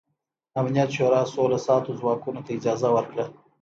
امنیت شورا سوله ساتو ځواکونو ته اجازه ورکړه.